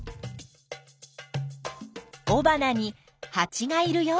おばなにハチがいるよ。